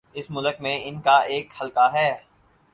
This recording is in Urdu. اس ملک میں ان کا ایک حلقہ ہے۔